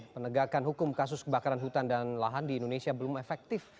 penegakan hukum kasus kebakaran hutan dan lahan di indonesia belum efektif